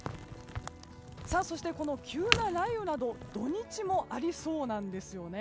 そしてこの急な雷雨など土日もありそうなんです。